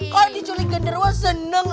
kalau diculik genderwo seneng